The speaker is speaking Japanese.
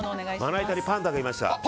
まな板にパンダがいました。